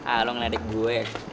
ah lo ngeladik gue